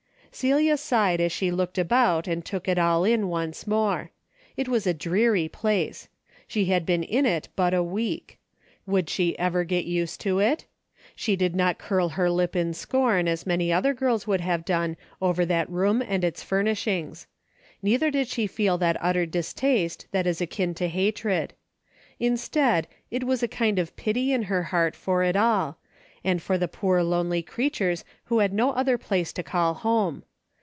Celia sighed as she looked about and took it all in once more. It was a dreary place. She had been in it but a week. Would she ever get used to it ? She did not curl her lip in scorn as many other girls would have done over that room and its furnishings. Neither did she feel that utter distaste that is akin to hatred. Instead was a kind of pity in her heart for it all, and for the poor lonely crea tures who had no other place to call home.